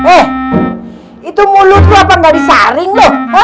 eh itu mulut lu apa gak disaring lu